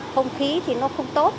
không khí thì nó không tốt